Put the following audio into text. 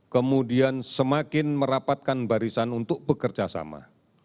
kemudian semakin merapatkan barisan untuk bekerja sama